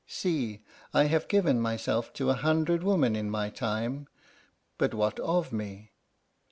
See: I have given myself to a hundred women in my time but what of me?